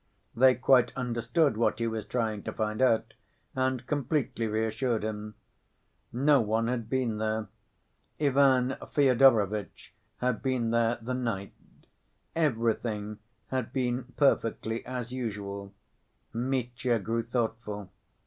They quite understood what he was trying to find out, and completely reassured him. No one had been there. Ivan Fyodorovitch had been there the night; everything had been perfectly as usual. Mitya grew thoughtful.